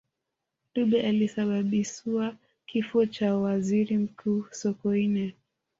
dube alisababisua kifo cha waziri mkuu sokoine